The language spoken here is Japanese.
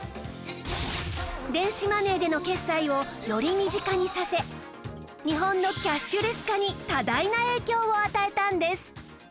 電子マネーでの決済をより身近にさせ日本のキャッシュレス化に多大な影響を与えたんです